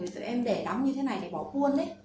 rồi em để đóng như thế này để bỏ cuôn ấy